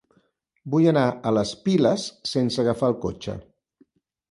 Vull anar a les Piles sense agafar el cotxe.